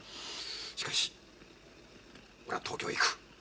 しかし俺は東京へ行く。